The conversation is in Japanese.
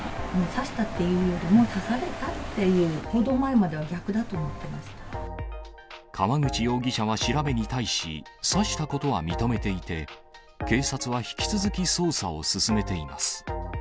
刺したというよりも刺されたっていう、報道前までは逆だと思って川口容疑者は調べに対し、刺したことは認めていて、警察は引き続き捜査を進めています。